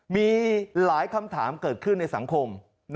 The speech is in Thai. มีหลายคำถามเกิดขึ้นในสังคม